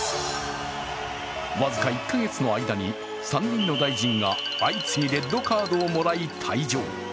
僅か１か月の間に３人の大臣が相次いでレッドカードをもらい退場。